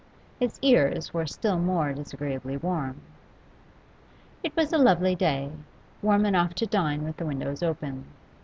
His ears were still more disagreeably warm. It was a lovely day warm enough to dine with the windows open.